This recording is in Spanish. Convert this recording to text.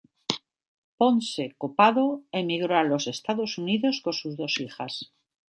Ponce Copado emigró a los Estados Unidos con sus dos hijas.